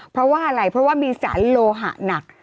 เพราะว่าอะไรเพราะว่ามีสารโลหะหนัก